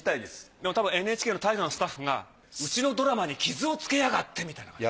でもたぶんＮＨＫの大河のスタッフがうちのドラマに傷をつけやがってみたいな感じで。